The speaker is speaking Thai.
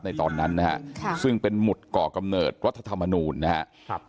ตอนนั้นนะฮะซึ่งเป็นหมุดก่อกำเนิดรัฐธรรมนูลนะครับ